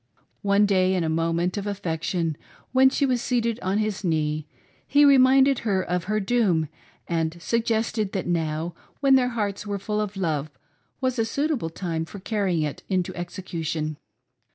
One day, in a moment of affection, when she was seated on his knee, he reminded her of her doom, and suggested that now when their hearts were full of love was a suitable time for carrying it. into execution.